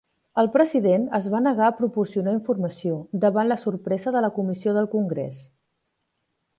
El president es va negar a proporcionar informació, davant la sorpresa de la Comissió del Congrés.